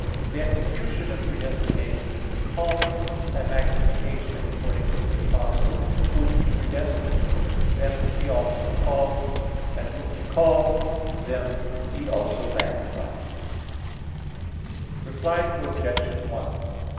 The execution of predestination is the calling and magnification; according to the Apostle (Rom. 8:30): "Whom He predestined, them He also called and whom He called, them He also magnified [Vulg. 'justified']." Reply Obj.